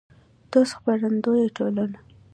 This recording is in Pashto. دوست خپرندویه ټولنه